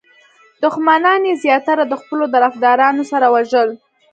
دښمنان یې زیاتره د خپلو طرفدارانو سره وژل.